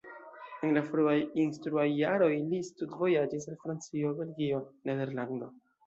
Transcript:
En la fruaj instruaj jaroj li studvojaĝis al Francio, Belgio, Nederlando.